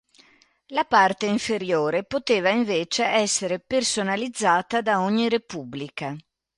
La parte inferiore poteva invece essere personalizzata da ogni repubblica.